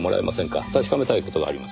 確かめたい事があります。